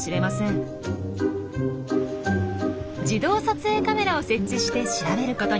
自動撮影カメラを設置して調べることに。